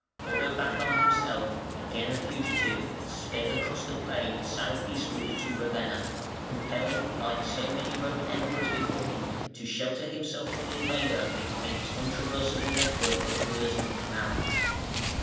Odovacar himself, again a fugitive, sped across the plain south eastward to Ravenna, compelled like so many Roman Emperors before him to shelter himself from the invader behind its untraversable network of rivers and canals.